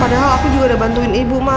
padahal aku juga udah bantuin ibu mah